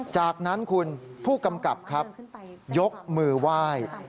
จากนั้นคุณผู้กำกับครับยกมือไหว้